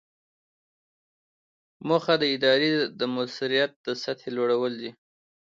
موخه د ادارې د مؤثریت د سطحې لوړول دي.